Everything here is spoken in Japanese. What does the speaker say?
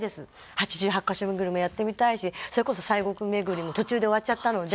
八十八ヶ所めぐりもやってみたいしそれこそ西国めぐりも途中で終わっちゃったので。